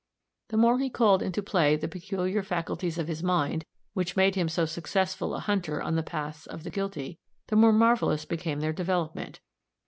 The more he called into play the peculiar faculties of his mind, which made him so successful a hunter on the paths of the guilty, the more marvelous became their development.